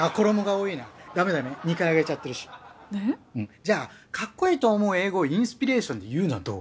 じゃあかっこいいと思う英語をインスピレーションで言うのはどう？